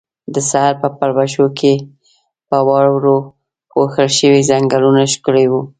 د سحر په پلوشو کې په واورو پوښل شوي ځنګلونه ښکلي وو.